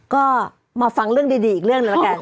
ก็มาฟังเรื่องดีอีกเรื่องหนึ่งแล้วกัน